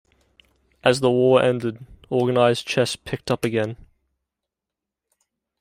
As the war ended, organized chess picked up again.